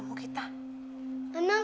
gue gak percaya sama lu